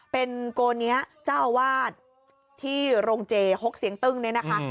เป็นโกเนี๊ยะเจ้าวาดที่โรงเจศ์หกเซียงตึ้งนี่นะคะ